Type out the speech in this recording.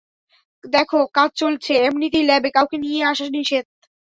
দেখো কাজ চলছে, এমনিতেই ল্যাবে, কাউকে নিয়ে আসা নিষেধ।